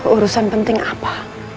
urusan penting apa